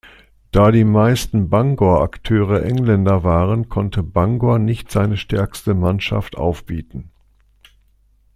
Da die meisten Bangor-Akteure Engländer waren, konnte Bangor nicht seine stärkste Mannschaft aufbieten.